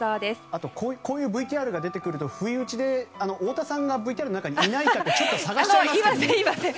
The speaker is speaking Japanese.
あとこういうＶＴＲが出てくると不意打ちで太田さんがＶＴＲの中にいないかいません、いません。